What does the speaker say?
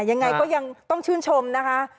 ยังไงก็ยังต้องชื่นชมนะคะ